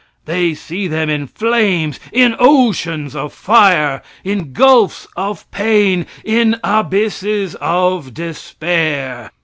They see them in flames in oceans of fire in gulfs of pain in abysses of despair.